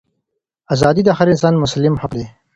ازادي د هر انسان مسلم حق دی.